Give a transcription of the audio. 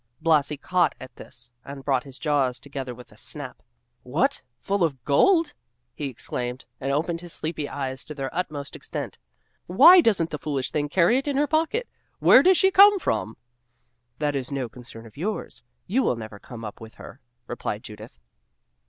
Blasi caught at this, and brought his jaws together with a snap. "What! full of gold?" he exclaimed, and opened his sleepy eyes to their utmost extent. "Why doesn't the foolish thing carry it in her pocket? Where does she come from?" "That's no concern of yours. You will never come up with her," replied Judith.